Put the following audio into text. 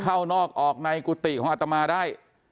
เข้านอกออกในกุฏิของอัตมาได้